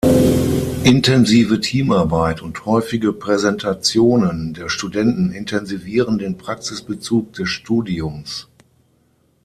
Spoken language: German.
Intensive Teamarbeit und häufige Präsentationen der Studenten intensivieren den Praxisbezug des Studiums.